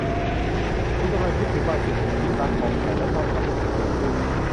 คุณกำลังคิดถึงบางสิ่งที่รักของฉันและนั่นทำให้คุณลืมพูด